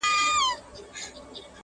پر خپله مېنه د بلا لښکري؛